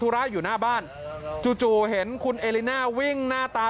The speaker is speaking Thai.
ระอยู่หน้าบ้านจู่จู่เห็นคุณเอลิน่าวิ่งหน้าตา